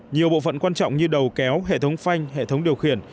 nhiều bộ phận quan trọng như đầu kéo hệ thống phanh hệ thống điều khiển